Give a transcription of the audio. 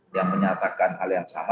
yang menyatakan hal yang sama